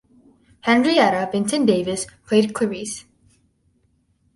Henrietta Vinton Davis played Clarisse.